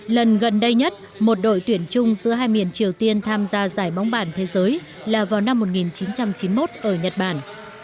lần gần đây nhất một đội tuyển chung giữa hai miền triều tiên tham gia giải bóng bàn thế giới là vào năm một nghìn chín trăm chín mươi một ở nhật bản